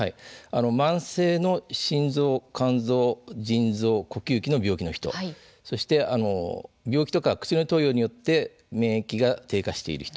慢性の心臓、肝臓、腎臓、呼吸器の病気の人それから病気や薬の投与によって免疫が低下している人